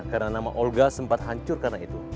karena nama olga sempat hancur karena itu